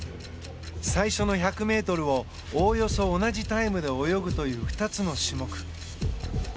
最初の１００ｍをおおよそ同じタイムで泳ぐという２つの種目。